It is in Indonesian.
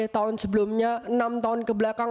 tahun sebelumnya enam tahun kebelakang